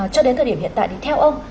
cho đến thời điểm hiện tại thì theo ông